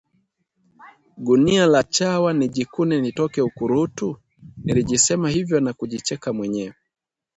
gunia la chawa nijikune nitoke ukurutu?!” Nilijisema hivyo na kujicheka mwenyewe